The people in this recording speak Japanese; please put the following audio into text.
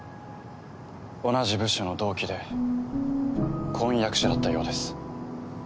同じ部署の同期で婚約者だったようです。